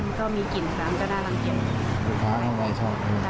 มันก็มีกลิ่นครับมันจะได้รังเกียจ